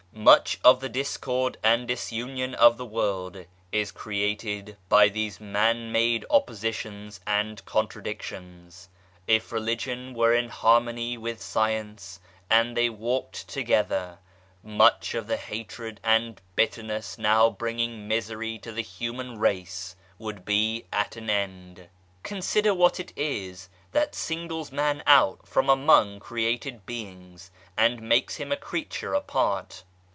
Much of the discord and disunion of the world is created by these man made oppositions and con tradictions. If Religion were in harmony with Science and they walked together, much of the hatred and bitter ness now bringing misery to the Human Race would be at an end. Consider what it is that singles Man out from among created beings, and makes of him a creature apart.